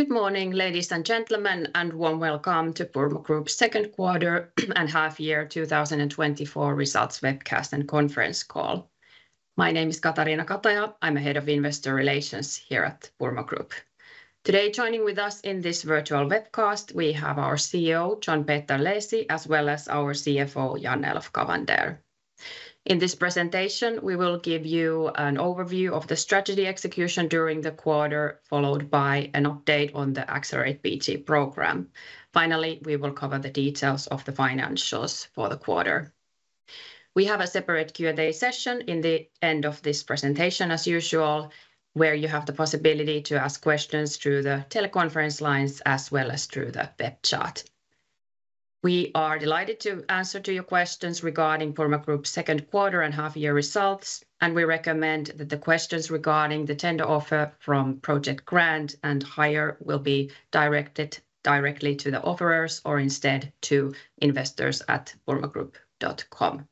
Good morning, ladies and gentlemen, and warm welcome to Purmo Group's second quarter and half year 2024 results webcast and conference call. My name is Katariina Kataja. I'm head of Investor Relations here at Purmo Group. Today, joining with us in this virtual webcast, we have our CEO, John Peter Leesi, as well as our CFO, Jan-Elof Cavander. In this presentation, we will give you an overview of the strategy execution during the quarter, followed by an update on the Accelerate PG program. Finally, we will cover the details of the financials for the quarter. We have a separate Q&A session in the end of this presentation, as usual, where you have the possibility to ask questions through the teleconference lines, as well as through the web chat. We are delighted to answer to your questions regarding Purmo Group's second quarter and half-year results, and we recommend that the questions regarding the tender offer from Project Grand and Haier will be directed directly to the offerers, or instead to investors@purmogroup.com.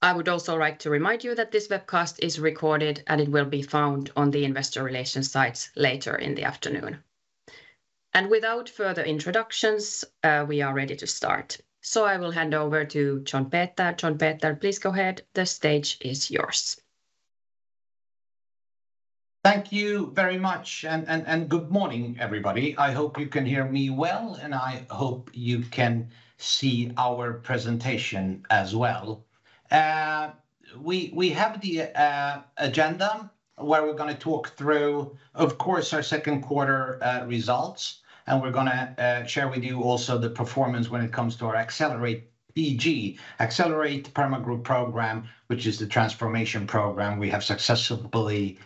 I would also like to remind you that this webcast is recorded, and it will be found on the investor relations site later in the afternoon. Without further introductions, we are ready to start, so I will hand over to John Peter. John Peter, please go ahead. The stage is yours. Thank you very much, good morning, everybody. I hope you can hear me well, and I hope you can see our presentation as well. We have the agenda, where we're gonna talk through, of course, our second quarter results, and we're gonna share with you also the performance when it comes to our Accelerate PG, Accelerate Purmo Group program, which is the transformation program we have successfully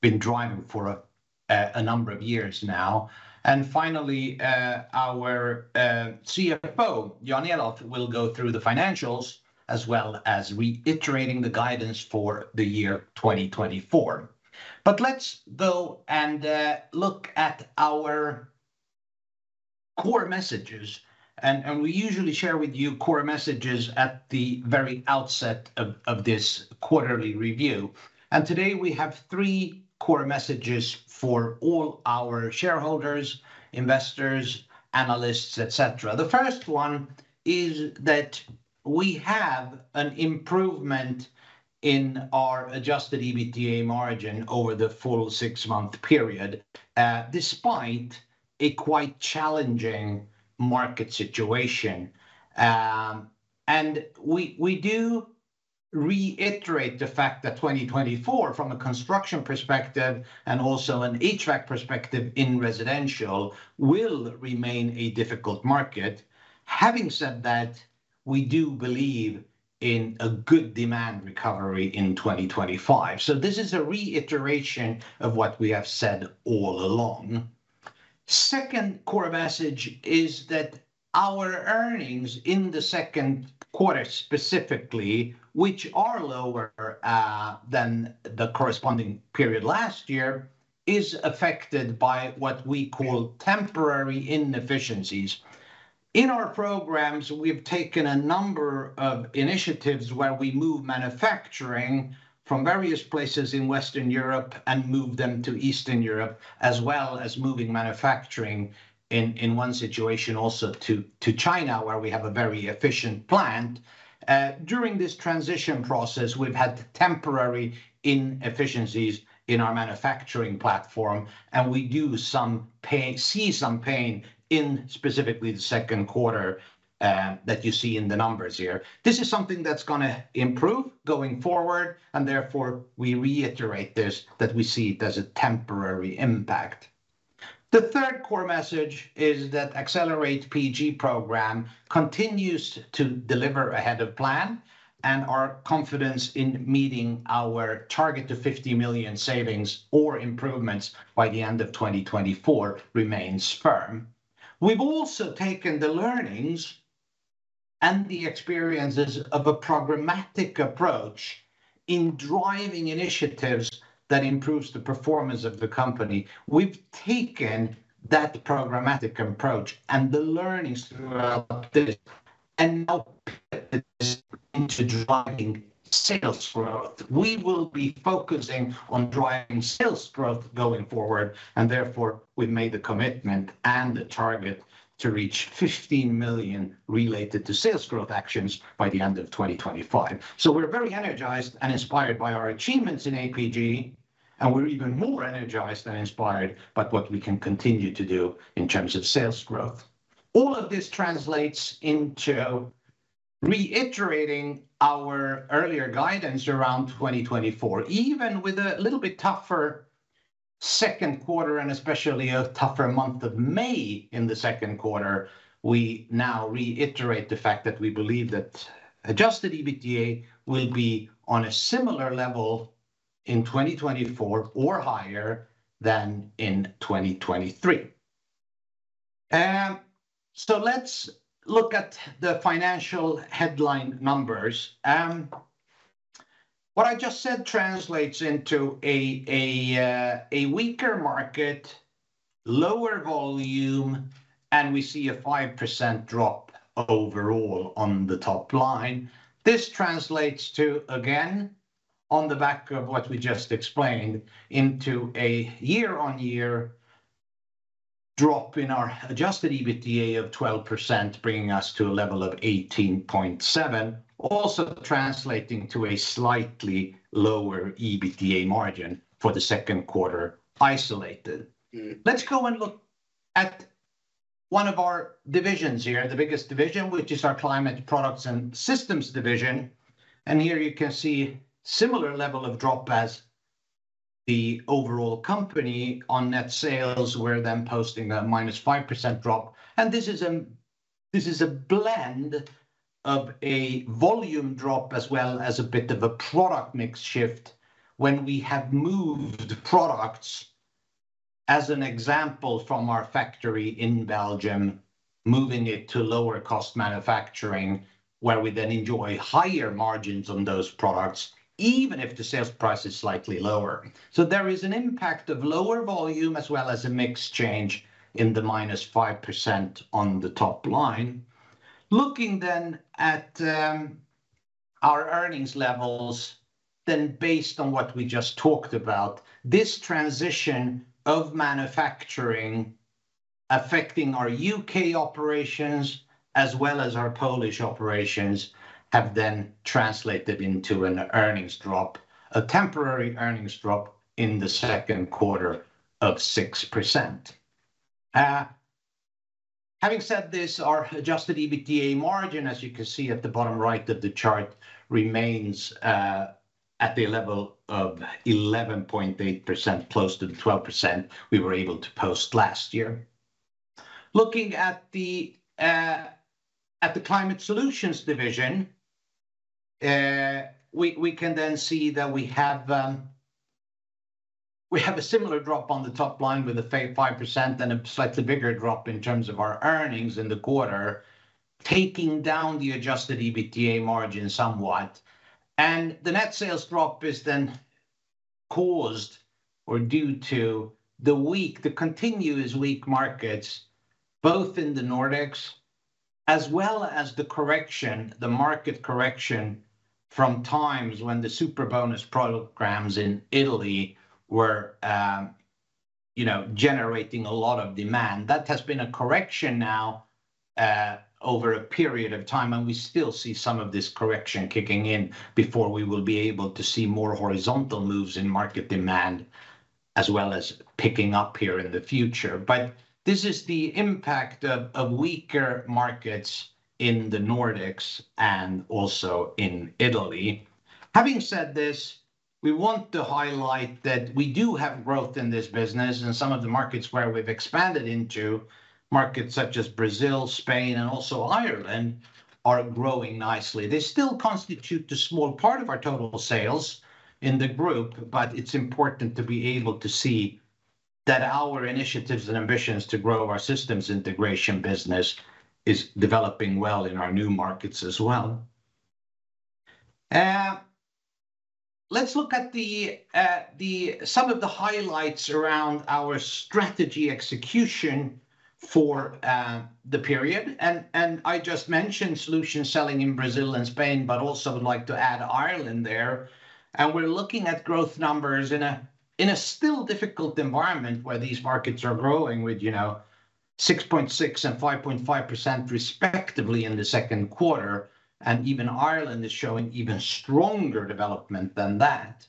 been driving for a number of years now. And finally, our CFO, Jan-Elof, will go through the financials, as well as reiterating the guidance for the year 2024. But let's go and look at our core messages, and we usually share with you core messages at the very outset of this quarterly review. And today we have three core messages for all our shareholders, investors, analysts, et cetera. The first one is that we have an improvement in our Adjusted EBITDA margin over the full six-month period, despite a quite challenging market situation. And we, we do reiterate the fact that 2024, from a construction perspective and also an HVAC perspective in residential, will remain a difficult market. Having said that, we do believe in a good demand recovery in 2025, so this is a reiteration of what we have said all along. Second core message is that our earnings in the second quarter, specifically, which are lower, than the corresponding period last year, is affected by what we call temporary inefficiencies. In our programs, we've taken a number of initiatives where we move manufacturing from various places in Western Europe and move them to Eastern Europe, as well as moving manufacturing in one situation also to China, where we have a very efficient plant. During this transition process, we've had temporary inefficiencies in our manufacturing platform, and we see some pain in specifically the second quarter that you see in the numbers here. This is something that's gonna improve going forward, and therefore, we reiterate this, that we see it as a temporary impact. The third core message is that Accelerate PG program continues to deliver ahead of plan, and our confidence in meeting our target to 50 million savings or improvements by the end of 2024 remains firm. We've also taken the learnings and the experiences of a programmatic approach in driving initiatives that improves the performance of the company. We've taken that programmatic approach and the learnings throughout this, and now... into driving sales growth. We will be focusing on driving sales growth going forward, and therefore, we've made the commitment and the target to reach 15 million related to sales growth actions by the end of 2025. So we're very energized and inspired by our achievements in APG, and we're even more energized and inspired by what we can continue to do in terms of sales growth. All of this translates into reiterating our earlier guidance around 2024. Even with a little bit tougher second quarter, and especially a tougher month of May in the second quarter, we now reiterate the fact that we believe that Adjusted EBITDA will be on a similar level in 2024, or higher, than in 2023. So let's look at the financial headline numbers. What I just said translates into a weaker market, lower volume, and we see a 5% drop overall on the top line. This translates to, on the back of what we just explained, into a year-on-year drop in our Adjusted EBITDA of 12%, bringing us to a level of 18.7. Also translating to a slightly lower EBITDA margin for the second quarter, isolated. Mm. Let's go and look at one of our divisions here, the biggest division, which is our Climate Products and Systems division. Here you can see similar level of drop as the overall company on net sales, we're then posting a -5% drop. This is, this is a blend of a volume drop, as well as a bit of a product mix shift when we have moved products, as an example, from our factory in Belgium, moving it to lower cost manufacturing, where we then enjoy higher margins on those products, even if the sales price is slightly lower. There is an impact of lower volume, as well as a mix change in the -5% on the top line. Looking then at our earnings levels, then based on what we just talked about, this transition of manufacturing affecting our UK operations as well as our Polish operations, have then translated into an earnings drop, a temporary earnings drop, in the second quarter of 6%. Having said this, our Adjusted EBITDA margin, as you can see at the bottom right of the chart, remains at the level of 11.8%, close to the 12% we were able to post last year. Looking at the Climate Solutions division, we can then see that we have a similar drop on the top line with a 5% and a slightly bigger drop in terms of our earnings in the quarter, taking down the Adjusted EBITDA margin somewhat. The net sales drop is then caused, or due to, the weak, the continuous weak markets, both in the Nordics as well as the correction, the market correction from times when the Superbonus programs in Italy were, you know, generating a lot of demand. That has been a correction now, over a period of time, and we still see some of this correction kicking in before we will be able to see more horizontal moves in market demand, as well as picking up here in the future. But this is the impact of, of weaker markets in the Nordics and also in Italy. Having said this, we want to highlight that we do have growth in this business, and some of the markets where we've expanded into, markets such as Brazil, Spain, and also Ireland, are growing nicely. They still constitute a small part of our total sales in the group, but it's important to be able to see that our initiatives and ambitions to grow our systems integration business is developing well in our new markets as well. Let's look at some of the highlights around our strategy execution for the period. I just mentioned solution selling in Brazil and Spain, but also would like to add Ireland there. We're looking at growth numbers in a still difficult environment, where these markets are growing with, you know, 6.6% and 5.5% respectively in the second quarter, and even Ireland is showing even stronger development than that.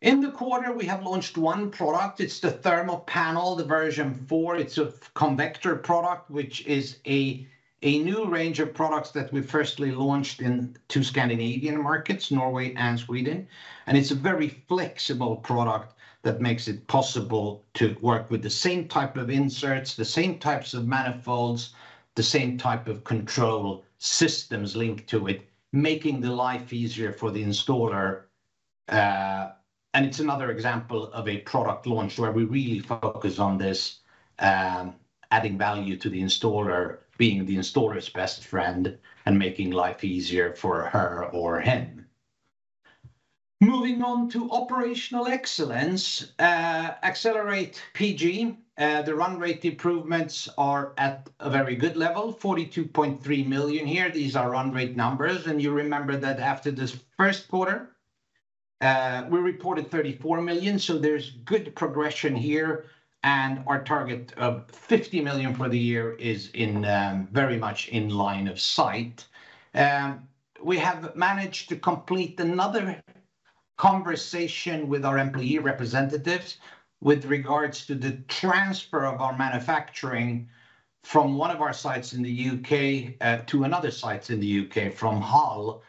In the quarter, we have launched one product. It's the Thermopanel V4. It's a convector product, which is a new range of products that we firstly launched in two Scandinavian markets, Norway and Sweden. And it's a very flexible product that makes it possible to work with the same type of inserts, the same types of manifolds, the same type of control systems linked to it, making the life easier for the installer. And it's another example of a product launch where we really focus on this, adding value to the installer, being the installer's best friend, and making life easier for her or him. Moving on to operational excellence, Accelerate PG, the run rate improvements are at a very good level, 42.3 million here. These are run rate numbers, and you remember that after this first quarter, we reported 34 million, so there's good progression here, and our target of 50 million for the year is in very much in line of sight. We have managed to complete another conversation with our employee representatives with regards to the transfer of our manufacturing from one of our sites in the U.K. to another sites in the U.K., from Hull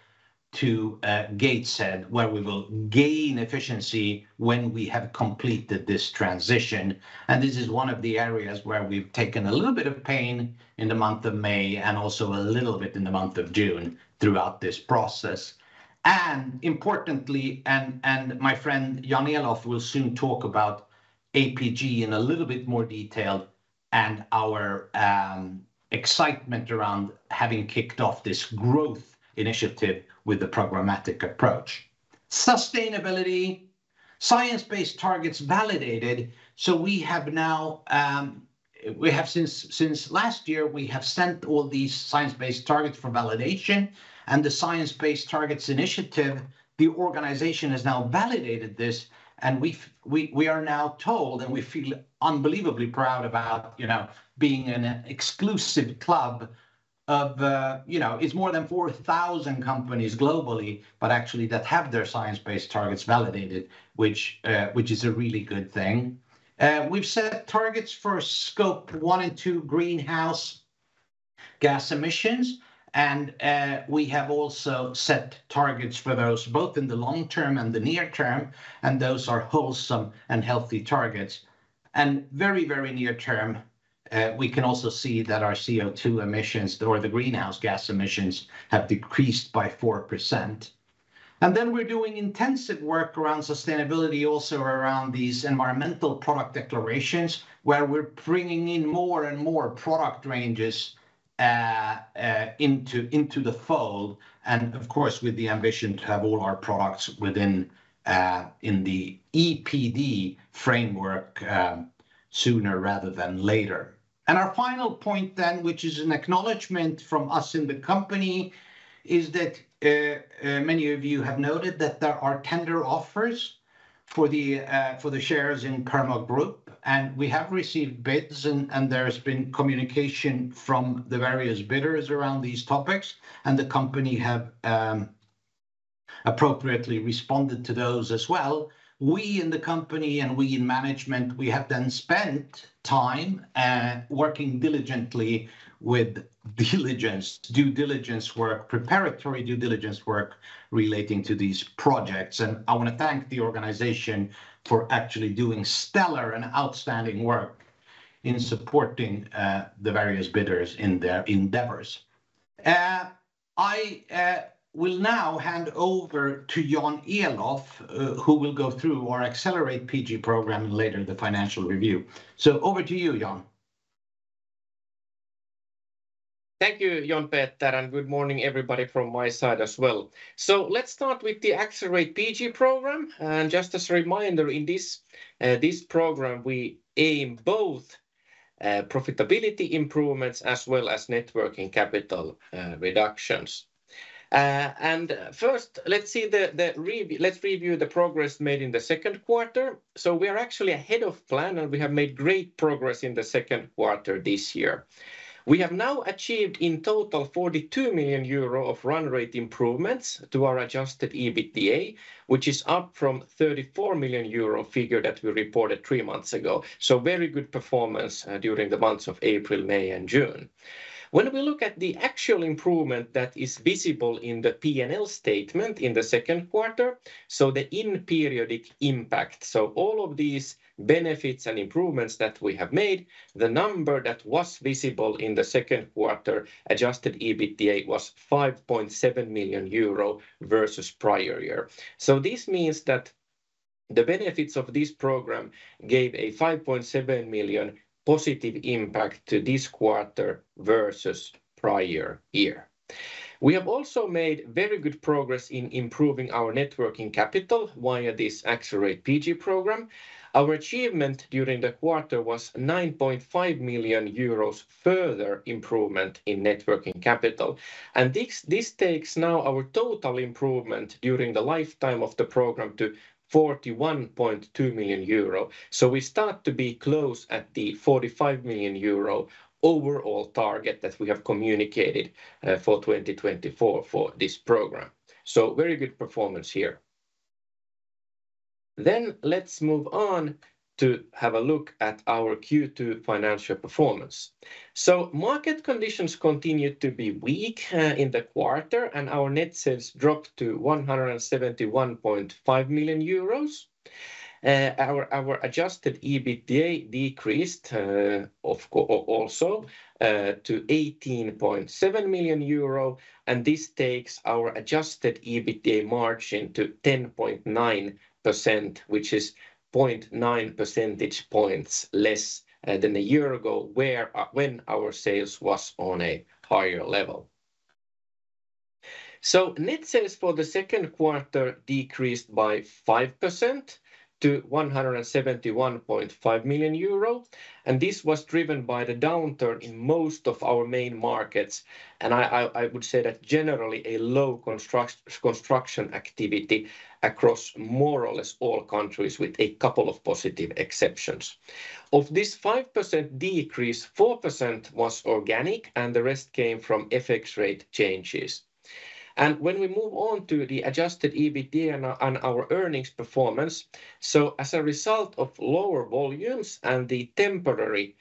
to Gateshead, where we will gain efficiency when we have completed this transition. This is one of the areas where we've taken a little bit of pain in the month of May, and also a little bit in the month of June throughout this process. Importantly, my friend Jan-Elof will soon talk about APG in a little bit more detail, and our excitement around having kicked off this growth initiative with the programmatic approach. Sustainability science-based targets validated. So we have now, we have since last year, we have sent all these science-based targets for validation, and the Science Based Targets initiative, the organization has now validated this, and we, we are now told, and we feel unbelievably proud about, you know, being in an exclusive club of, you know. It's more than 4,000 companies globally, but actually that have their science-based targets validated, which, which is a really good thing. We've set targets for Scope 1 and Scope 2 greenhouse gas emissions, and we have also set targets for those both in the long term and the near term, and those are wholesome and healthy targets. Very, very near term, we can also see that our CO2 emissions, or the greenhouse gas emissions, have decreased by 4%. Then we're doing intensive work around sustainability, also around these Environmental Product Declarations, where we're bringing in more and more product ranges into the fold, and of course, with the ambition to have all our products within the EPD framework sooner rather than later. And our final point then, which is an acknowledgment from us in the company, is that many of you have noted that there are tender offers for the for the shares in Purmo Group, and we have received bids, and and there's been communication from the various bidders around these topics, and the company have appropriately responded to those as well. We in the company and we in management, we have then spent time working diligently with diligence, due diligence work, preparatory due diligence work relating to these projects. And I want to thank the organization for actually doing stellar and outstanding work in supporting the various bidders in their endeavors. I will now hand over to Jan-Elof, who will go through our Accelerate PG program and later the financial review. So over to you, Jan. Thank you, John Peter, and good morning, everybody, from my side as well. So let's start with the Accelerate PG program. And just as a reminder, in this, this program, we aim both, profitability improvements as well as net working capital, reductions. And first, let's see. Let's review the progress made in the second quarter. So we are actually ahead of plan, and we have made great progress in the second quarter this year. We have now achieved in total 42 million euro of run rate improvements to our adjusted EBITDA, which is up from 34 million euro figure that we reported three months ago. So very good performance, during the months of April, May and June. When we look at the actual improvement that is visible in the P&L statement in the second quarter, so the in-periodic impact, so all of these benefits and improvements that we have made, the number that was visible in the second quarter, Adjusted EBITDA, was 5.7 million euro versus prior year. So this means that the benefits of this program gave a 5.7 million positive impact to this quarter versus prior year. We have also made very good progress in improving our net working capital via this Accelerate PG program. Our achievement during the quarter was 9.5 million euros further improvement in net working capital. And this takes now our total improvement during the lifetime of the program to 41.2 million euro. We start to be close at the 45 million euro overall target that we have communicated for 2024 for this program. Very good performance here. Let's move on to have a look at our Q2 financial performance. Market conditions continued to be weak in the quarter, and our net sales dropped to 171.5 million euros. Our adjusted EBITDA decreased of co- also to 18.7 million euro, and this takes our adjusted EBITDA margin to 10.9%, which is 0.9 percentage points less than a year ago, where, when our sales was on a higher level. So net sales for the second quarter decreased by 5% to 171.5 million euro, and this was driven by the downturn in most of our main markets, and I would say that generally, a low construction activity across more or less all countries, with a couple of positive exceptions. Of this 5% decrease, 4% was organic, and the rest came from FX rate changes. And when we move on to the Adjusted EBITDA and our earnings performance, so as a result of lower volumes and the temporary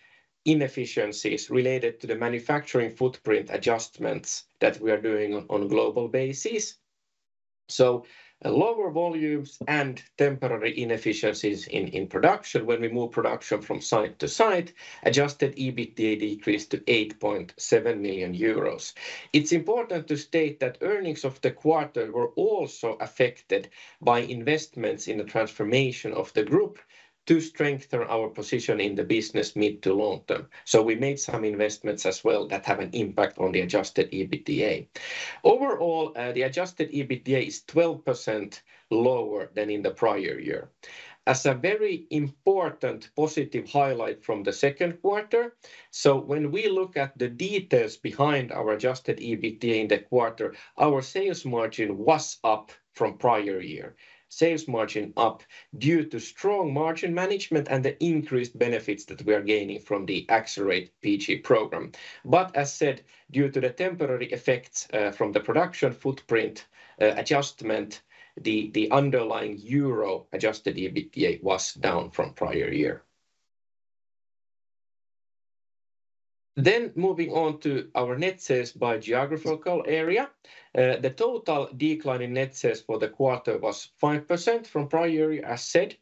inefficiencies related to the manufacturing footprint adjustments that we are doing on a global basis. So, lower volumes and temporary inefficiencies in production when we move production from site to site, Adjusted EBITDA decreased to 8.7 million euros. It's important to state that earnings of the quarter were also affected by investments in the transformation of the group to strengthen our position in the business mid to long term. So we made some investments as well that have an impact on the Adjusted EBITDA. Overall, the Adjusted EBITDA is 12% lower than in the prior year. As a very important positive highlight from the second quarter... So when we look at the details behind our Adjusted EBITDA in the quarter, our sales margin was up from prior year. Sales margin up due to strong margin management and the increased benefits that we are gaining from the Accelerate PG program. But as said, due to the temporary effects from the production footprint adjustment, the underlying euro-adjusted EBITDA was down from prior year. Then moving on to our net sales by geographical area. The total decline in net sales for the quarter was 5% from prior year, as said.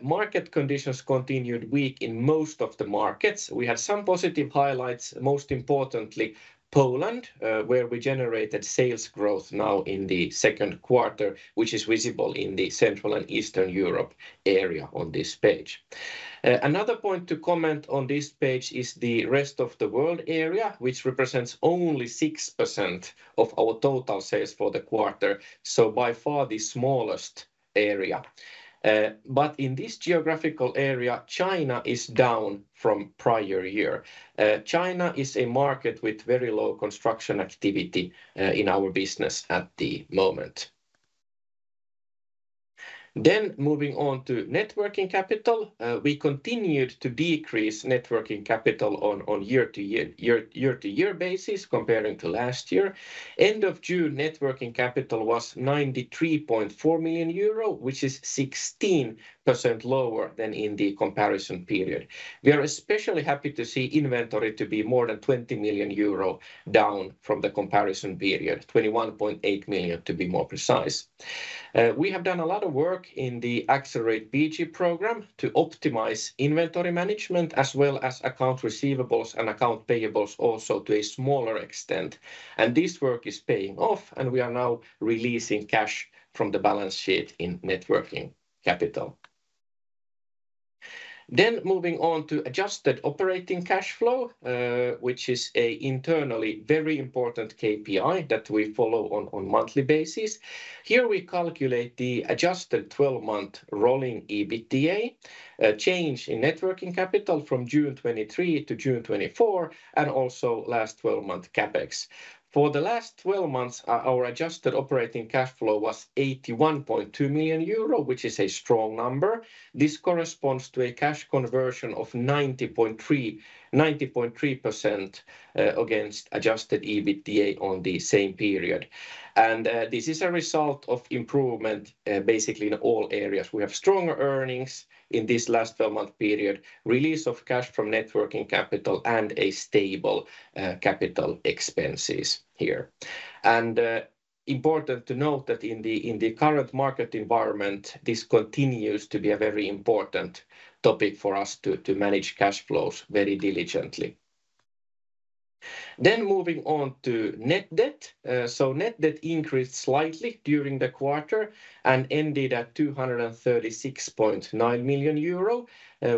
Market conditions continued weak in most of the markets. We had some positive highlights, most importantly, Poland, where we generated sales growth now in the second quarter, which is visible in the Central and Eastern Europe area on this page. Another point to comment on this page is the Rest of the WLeesiorld area, which represents only 6% of our total sales for the quarter, so by far the smallest area. But in this geographical area, China is down from prior year. China is a market with very low construction activity, in our business at the moment. Then moving on to net working capital. We continued to decrease net working capital on a year-to-year basis compared to last year. End of June, net working capital was 93.4 million euro, which is 16% lower than in the comparison period. We are especially happy to see inventory to be more than 20 million euro down from the comparison period, 21.8 million, to be more precise. We have done a lot of work in the Accelerate PG program to optimize inventory management, as well as accounts receivable and accounts payable also to a smaller extent, and this work is paying off, and we are now releasing cash from the balance sheet in net working capital. Then moving on to adjusted operating cash flow, which is an internally very important KPI that we follow on a monthly basis. Here we calculate the adjusted twelve-month rolling EBITDA, change in net working capital from June 2023 to June 2024, and also last twelve-month CapEx. For the last twelve months, our adjusted operating cash flow was 81.2 million euro, which is a strong number. This corresponds to a cash conversion of 90.3% against adjusted EBITDA on the same period. This is a result of improvement, basically in all areas. We have stronger earnings in this last twelve-month period, release of cash from net working capital, and a stable capital expenses here. Important to note that in the current market environment, this continues to be a very important topic for us to manage cash flows very diligently. Then moving on to net debt. So net debt increased slightly during the quarter and ended at 236.9 million euro,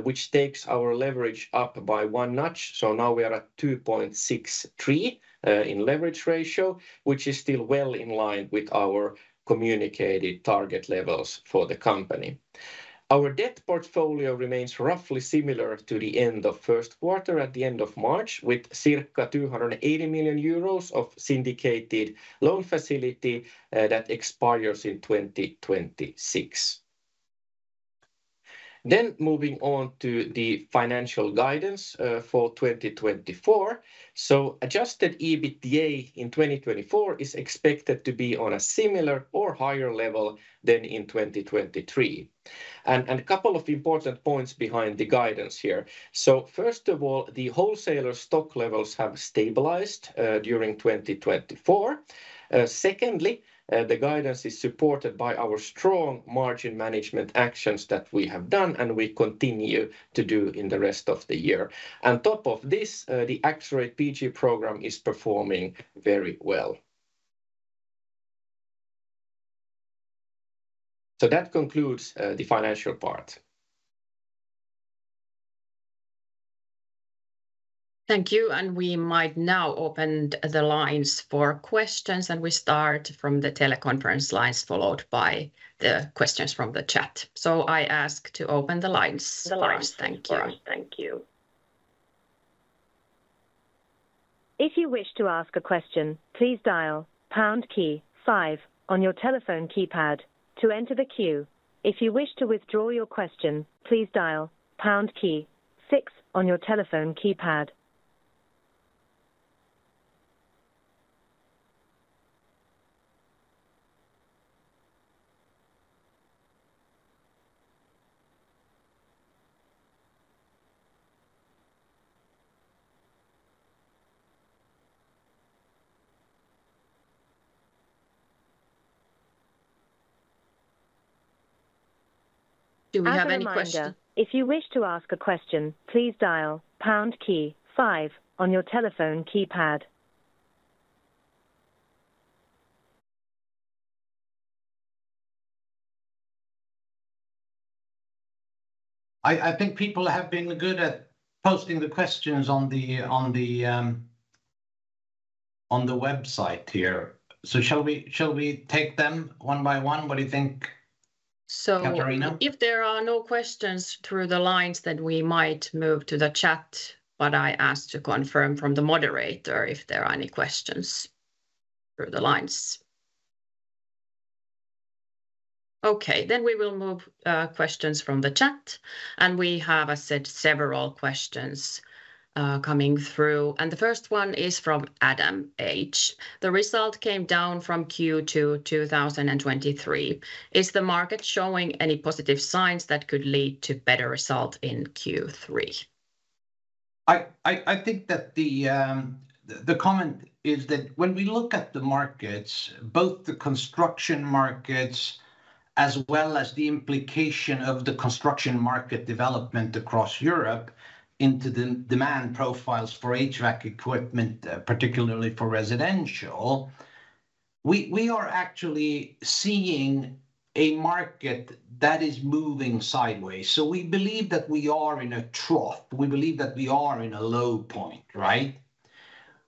which takes our leverage up by one notch. So now we are at 2.63 in leverage ratio, which is still well in line with our communicated target levels for the company. Our debt portfolio remains roughly similar to the end of first quarter at the end of March, with circa 280 million euros of syndicated loan facility that expires in 2026. Then moving on to the financial guidance for 2024. So Adjusted EBITDA in 2024 is expected to be on a similar or higher level than in 2023. And a couple of important points behind the guidance here. So first of all, the wholesaler stock levels have stabilized during 2024. Secondly, the guidance is supported by our strong margin management actions that we have done and we continue to do in the rest of the year. On top of this, the Accelerate PG program is performing very well. So that concludes the financial part. Thank you, and we might now open the lines for questions, and we start from the teleconference lines, followed by the questions from the chat. So I ask to open the lines first. Thank you. Thank you. If you wish to ask a question, please dial pound key five on your telephone keypad to enter the queue. If you wish to withdraw your question, please dial pound key six on your telephone keypad.... Do we have any questions? As a reminder, if you wish to ask a question, please dial pound key five on your telephone keypad. I think people have been good at posting the questions on the website here. So shall we take them one by one? What do you think, Katariina? If there are no questions through the lines, then we might move to the chat, but I ask to confirm from the moderator if there are any questions through the lines. Okay, then we will move questions from the chat, and we have, I said, several questions coming through, and the first one is from Adam H: "The result came down from Q2 2023. Is the market showing any positive signs that could lead to better result in Q3? I think that the comment is that when we look at the markets, both the construction markets as well as the implication of the construction market development across Europe into the demand profiles for HVAC equipment, particularly for residential, we are actually seeing a market that is moving sideways. So we believe that we are in a trough. We believe that we are in a low point, right?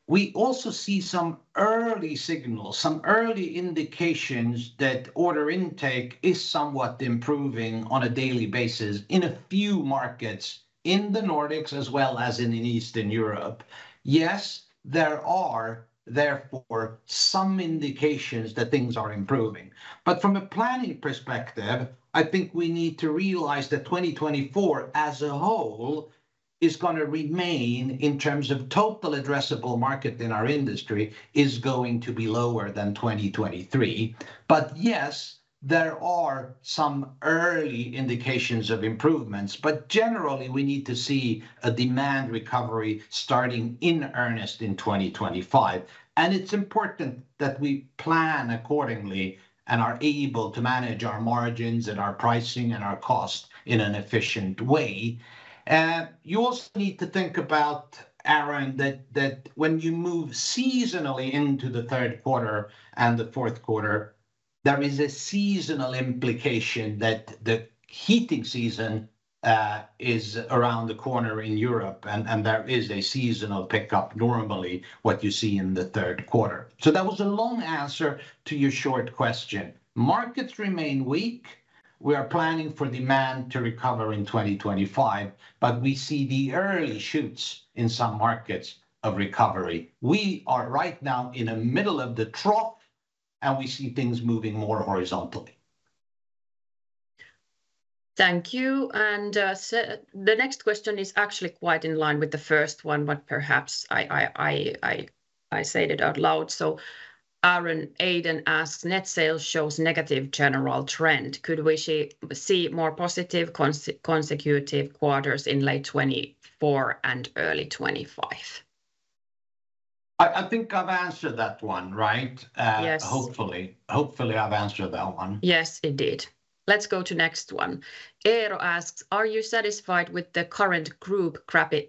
We also see some early signals, some early indications that order intake is somewhat improving on a daily basis in a few markets, in the Nordics as well as in Eastern Europe. Yes, there are therefore some indications that things are improving. But from a planning perspective, I think we need to realize that 2024 as a whole is gonna remain, in terms of total addressable market in our industry, is going to be lower than 2023. But yes, there are some early indications of improvements, but generally, we need to see a demand recovery starting in earnest in 2025. And it's important that we plan accordingly and are able to manage our margins and our pricing and our cost in an efficient way. You also need to think about, Aaron, that, that when you move seasonally into the third quarter and the fourth quarter, there is a seasonal implication that the heating season is around the corner in Europe, and, and there is a seasonal pickup normally what you see in the third quarter. So that was a long answer to your short question. Markets remain weak. We are planning for demand to recover in 2025, but we see the early shoots in some markets of recovery. We are right now in the middle of the trough, and we see things moving more horizontally. Thank you, and so the next question is actually quite in line with the first one, but perhaps I say it out loud. So Aaron Aiden asks: "Net sales shows negative general trend. Could we see more positive consecutive quarters in late 2024 and early 2025? I think I've answered that one, right? Yes. Hopefully. Hopefully, I've answered that one. Yes, indeed. Let's go to next one. Eero asks, "Are you satisfied with the current group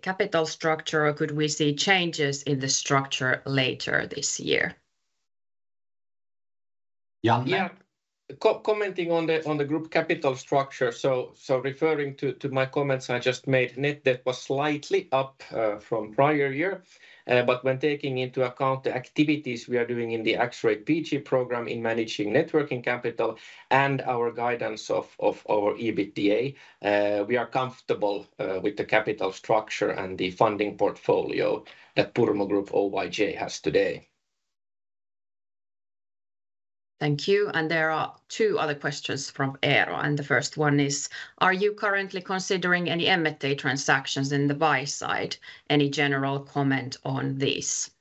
capital structure, or could we see changes in the structure later this year? Jan? Yeah. Commenting on the group capital structure, so referring to my comments I just made, net debt was slightly up from prior year. But when taking into account the activities we are doing in the Accelerate PG program in managing net working capital and our guidance of our EBITDA, we are comfortable with the capital structure and the funding portfolio that Purmo Group Oyj has today. Thank you, and there are two other questions from Eero, and the first one is: "Are you currently considering any M&A transactions in the buy side? Any general comment on this?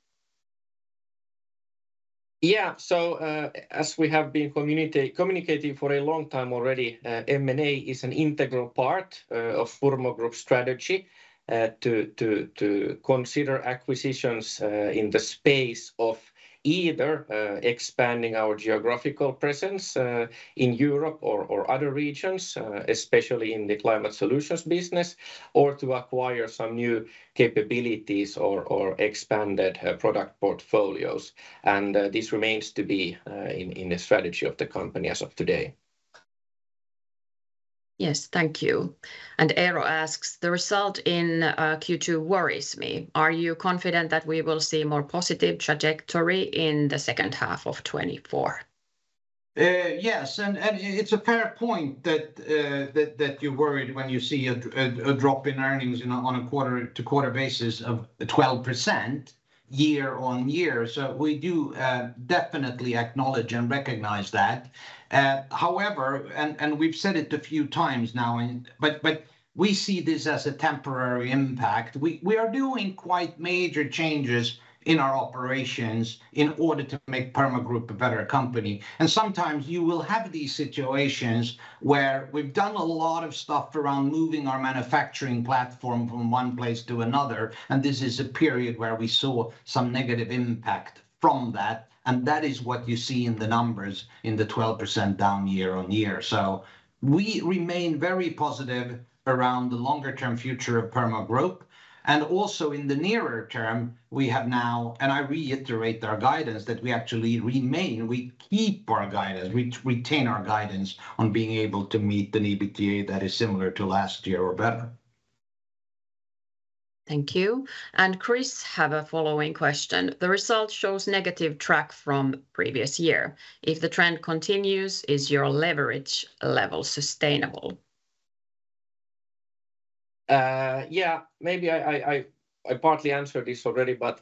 Yeah, so, as we have been communicating for a long time already, M&A is an integral part of Purmo Group strategy to consider acquisitions in the space of either expanding our geographical presence in Europe or other regions, especially in the climate solutions business, or to acquire some new capabilities or expanded product portfolios, and this remains to be in the strategy of the company as of today. Yes. Thank you. Eero asks, "The result in Q2 worries me. Are you confident that we will see more positive trajectory in the second half of 2024?... Yes, and it's a fair point that you're worried when you see a drop in earnings on a quarter-to-quarter basis of 12% year-on-year. So we do definitely acknowledge and recognize that. However, we've said it a few times now. But we see this as a temporary impact. We are doing quite major changes in our operations in order to make Purmo Group a better company, and sometimes you will have these situations where we've done a lot of stuff around moving our manufacturing platform from one place to another, and this is a period where we saw some negative impact from that, and that is what you see in the numbers in the 12% down year-on-year. So we remain very positive around the longer-term future of Purmo Group. And also in the nearer term, we have now... And I reiterate our guidance that we actually remain, we keep our guidance, we retain our guidance on being able to meet an EBITDA that is similar to last year or better. Thank you. Chris has a following question: "The result shows negative track from previous year. If the trend continues, is your leverage level sustainable? Yeah, maybe I partly answered this already, but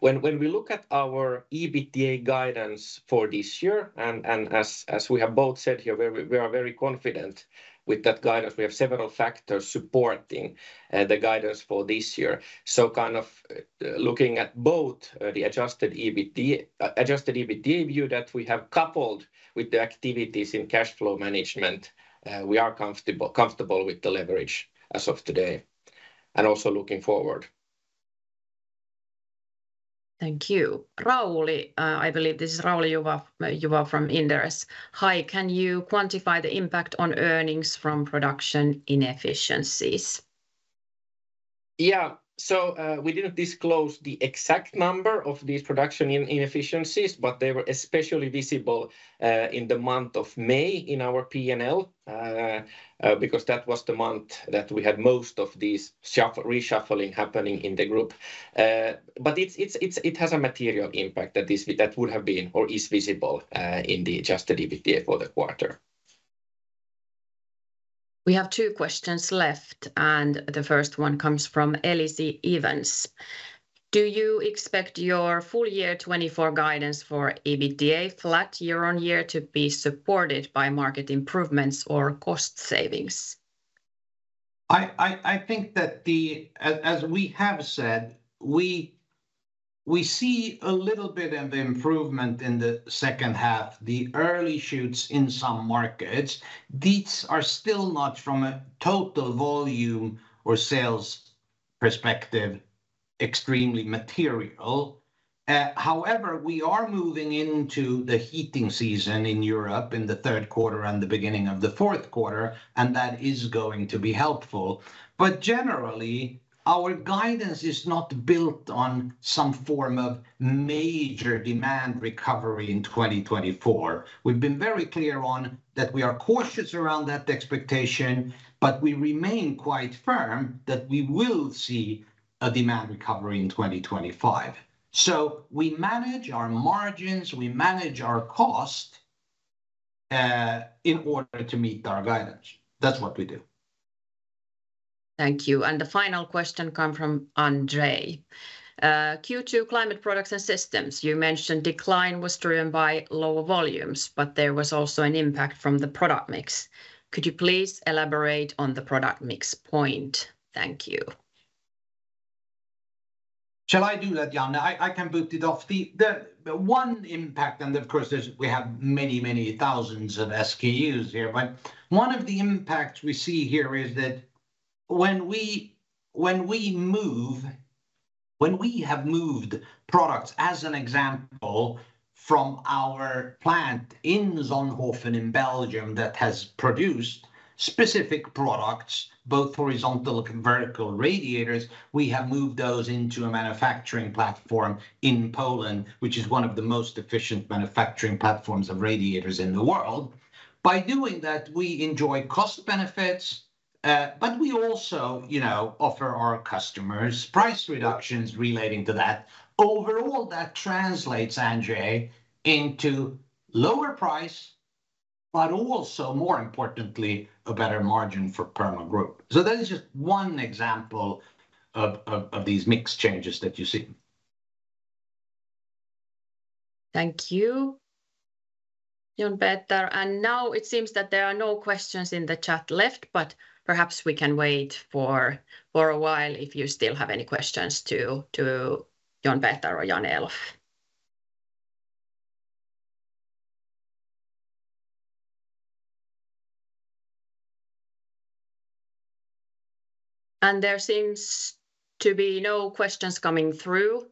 when we look at our EBITDA guidance for this year, and as we have both said here, we are very confident with that guidance. We have several factors supporting the guidance for this year. So kind of looking at both the adjusted EBITDA view that we have coupled with the activities in cash flow management, we are comfortable with the leverage as of today, and also looking forward. Thank you. Rauli, I believe this is Rauli Juva from Inderes: "Hi, can you quantify the impact on earnings from production inefficiencies? Yeah, so, we didn't disclose the exact number of these production inefficiencies, but they were especially visible in the month of May in our P&L, because that was the month that we had most of these reshuffling happening in the group. But it's, it has a material impact that would have been or is visible in the Adjusted EBITDA for the quarter. We have two questions left, and the first one comes from Elsie Evans: "Do you expect your full year 2024 guidance for EBITDA flat year on year to be supported by market improvements or cost savings? I think that the... As we have said, we see a little bit of the improvement in the second half, the early shoots in some markets. These are still not from a total volume or sales perspective extremely material. However, we are moving into the heating season in Europe in the third quarter and the beginning of the fourth quarter, and that is going to be helpful. But generally, our guidance is not built on some form of major demand recovery in 2024. We've been very clear on that we are cautious around that expectation, but we remain quite firm that we will see a demand recovery in 2025. So we manage our margins, we manage our cost, in order to meet our guidance. That's what we do. Thank you. The final question comes from Andrei: "Q2 Climate, Products and Systems, you mentioned decline was driven by lower volumes, but there was also an impact from the product mix. Could you please elaborate on the product mix point? Thank you. Shall I do that, Jan-Elof? I can boot it off. The one impact... And of course, we have many, many thousands of SKUs here, but one of the impacts we see here is that when we have moved products, as an example, from our plant in Zonhoven in Belgium, that has produced specific products, both horizontal and vertical radiators, we have moved those into a manufacturing platform in Poland, which is one of the most efficient manufacturing platforms of radiators in the world. By doing that, we enjoy cost benefits, but we also, you know, offer our customers price reductions relating to that. Overall, that translates, Andrei, into lower price, but also, more importantly, a better margin for Purmo Group. So that is just one example of these mix changes that you see. Thank you, John Peter. Now it seems that there are no questions in the chat left, but perhaps we can wait for a while if you still have any questions to John Peter or Jan-Elof. There seems to be no questions coming through,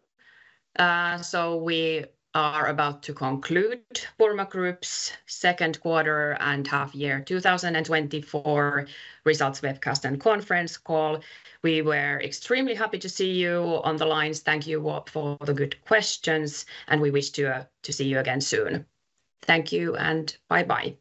so we are about to conclude Purmo Group's second quarter and half year 2024 results webcast and conference call. We were extremely happy to see you on the lines. Thank you all for the good questions, and we wish to see you again soon. Thank you, and bye-bye.